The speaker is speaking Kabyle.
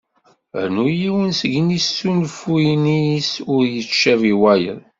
Rnu yiwen seg yisnulfuyen-is ur yettcabi wayeḍ.